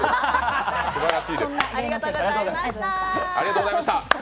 すばらしいです。